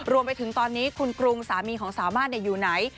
รวมไปถึงตอนนี้คุณกรุงสามีของสามารถอยู่ไหน